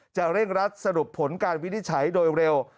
เร่งรัดสรุปผลการวินิจฉัยโดยเร็ว